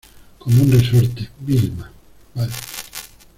como un resorte. Vilma, vale .